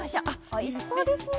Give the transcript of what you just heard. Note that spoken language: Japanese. おいしそうですね！